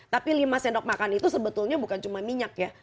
tapi lima sendok makan itu sebetulnya bukan cuma minyak ya